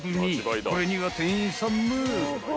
［これには店員さんも］